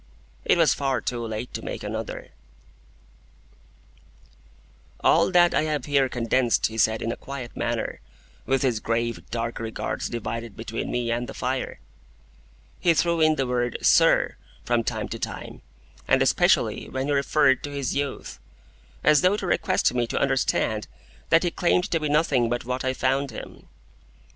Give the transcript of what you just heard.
It was far too late to make another. [Picture: The signal man] All that I have here condensed he said in a quiet manner, with his grave, dark regards divided between me and the fire. He threw in the word, "Sir," from time to time, and especially when he referred to his youth,—as though to request me to understand that he claimed to be nothing but what I found him.